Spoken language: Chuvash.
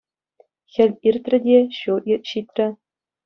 Хӗл иртрӗ те — ҫу ҫитрӗ.